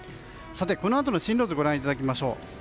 このあとの進路図をご覧いただきます。